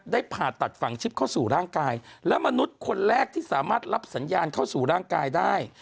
ผ่าตัดฝั่งชิบเข้าสู่ร่างกายและมนุษย์คนแรกที่สามารถรับสัญญาณเข้าสู่ร่างกายได้